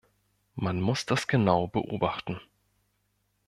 Man muss das genau beobachten.